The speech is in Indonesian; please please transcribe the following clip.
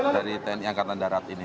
dari tni angkatan darat ini